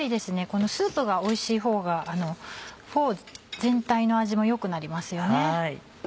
このスープがおいしいほうがフォー全体の味も良くなりますよね。